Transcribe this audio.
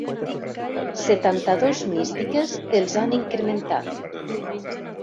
Setanta-dos místiques els han incrementat.